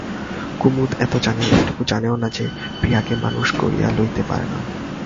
কুমুদ এত জানে, এটুকু জানে না যে প্রিয়াকে মানুষ গড়িয়া লইতে পারে না।